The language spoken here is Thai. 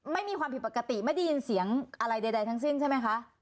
ไม่มีความผิดปกติไม่ได้ยินเสียงอะไรใดทั้งสิ้นใช่ไหมคะ